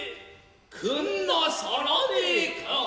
くんなさらねえか。